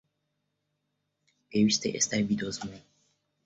پێویستە ئێستا بیدۆزمەوە!